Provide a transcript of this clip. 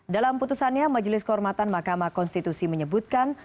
dalam putusannya majelis kehormatan mahkamah konstitusi menyebutkan